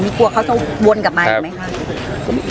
ไม่กลัวเขาจะอุบวนกลับมาเป็ยัมมึงคะ